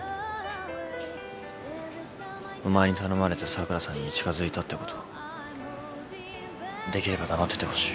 お前に頼まれて桜さんに近づいたってことできれば黙っててほしい。